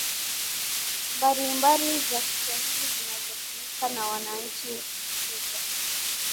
mbalimbali za Kiswahili zinazotumika na wananchi Lugha